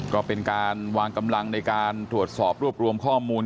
ก็เป็นการวางกำลังในการตรวจสอบรวบรวมข้อมูล